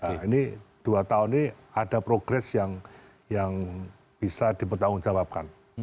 nah ini dua tahun ini ada progres yang bisa dipertanggungjawabkan